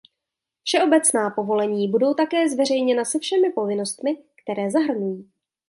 Všeobecná povolení budou také zveřejněna se všemi povinnostmi, které zahrnují.